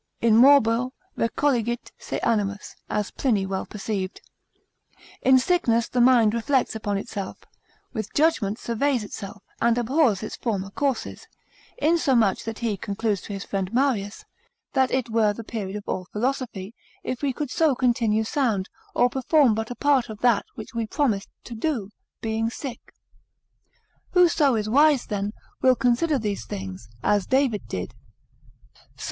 In morbo recolligit se animus, as Pliny well perceived; In sickness the mind reflects upon itself, with judgment surveys itself, and abhors its former courses; insomuch that he concludes to his friend Marius, that it were the period of all philosophy, if we could so continue sound, or perform but a part of that which we promised to do, being sick. Whoso is wise then, will consider these things, as David did (Psal.